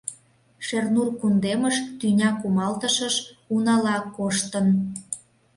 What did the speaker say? Шернур кундемыш тӱня кумалтышыш унала коштын.